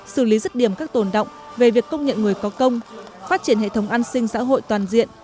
xử lý rứt điểm các tồn động về việc công nhận người có công phát triển hệ thống an sinh xã hội toàn diện